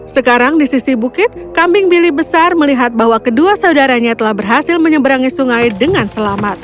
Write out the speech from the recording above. sekarang di sisi bukit kambing bili besar melihat bahwa kedua saudaranya telah berhasil menyeberangi sungai dengan selamat